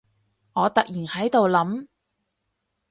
我突然喺度諗